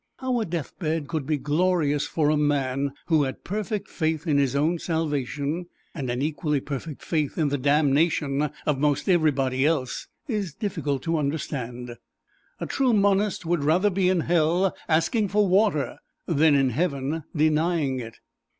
How a deathbed could be "glorious" for a man who had perfect faith in his own salvation and an equally perfect faith in the damnation of most everybody else, is difficult to understand. A true Monist would rather be in Hell asking for water than in Heaven denying it.